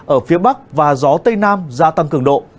ở phía bắc và gió tây nam gia tăng cường độ